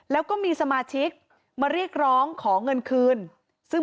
และมีการเก็บเงินรายเดือนจริง